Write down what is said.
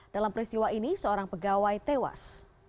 dalam peristiwa ini seorang pegawai tewas